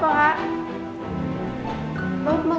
pak pak pak pak